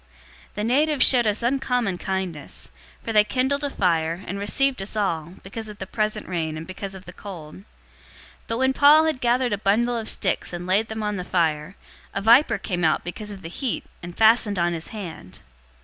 028:002 The natives showed us uncommon kindness; for they kindled a fire, and received us all, because of the present rain, and because of the cold. 028:003 But when Paul had gathered a bundle of sticks and laid them on the fire, a viper came out because of the heat, and fastened on his hand.